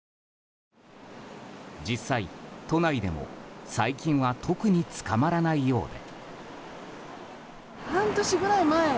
実際、都内でも最近は特につかまらないようで。